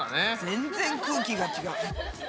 全然空気が違う。